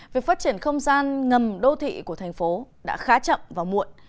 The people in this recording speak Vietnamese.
việc phát triển không gian ngầm đô thị của thành phố đã khá chậm và muộn